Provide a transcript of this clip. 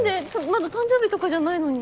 まだ誕生日とかじゃないのに。